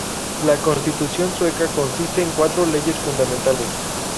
La Constitución Sueca consiste en cuatro leyes fundamentales.